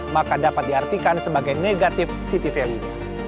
maka dapat diartikan sebagai negatif city value